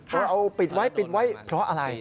เขาเอาปิดไว้ปิดไว้เพราะอะไร